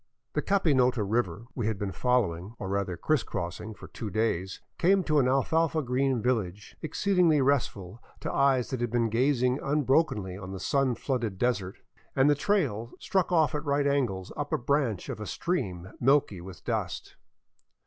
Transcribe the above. The Capinota river we had been following, or rather criss cross ing, for two days came to an alfalfa green village, exceedingly restful to eyes that had been gazing unbrokenly on the sun flooded desert, and the trail struck off at right angles up a branch of a stream milky with dust.